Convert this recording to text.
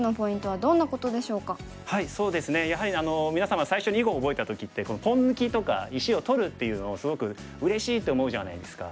そうですねやはり皆様最初に囲碁を覚えた時ってポン抜きとか石を取るっていうのをすごくうれしいって思うじゃないですか。